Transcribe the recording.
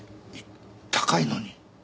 「高いのに」？